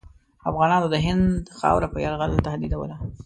افغانانو د هند خاوره په یرغل تهدیدوله.